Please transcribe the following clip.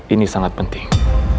ini sangat penting